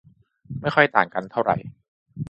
ไม่ค่อยต่างกันเท่าไหร่